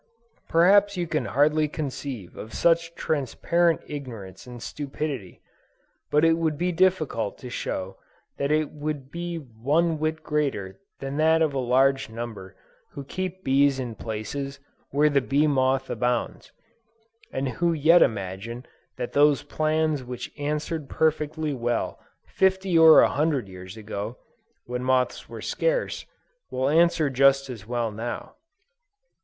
Perhaps you can hardly conceive of such transparent ignorance and stupidity; but it would be difficult to show that it would be one whit greater than that of a large number who keep bees in places where the bee moth abounds, and who yet imagine that those plans which answered perfectly well fifty or a hundred years ago, when moths were scarce, will answer just as well now.